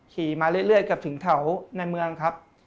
ขี่มาเรื่อยเกือบถึงแถวในเมืองครับ